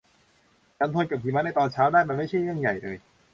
ฉันทนกับหิมะในตอนเช้าได้ มันไม่ใช่เรื่องใหญ่เลย